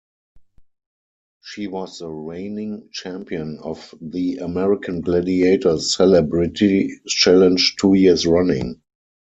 She was the reigning champion of the "American Gladiators" Celebrity Challenge two years running.